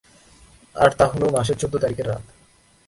আর তাহলো মাসের চৌদ্দ তারিখের রাত।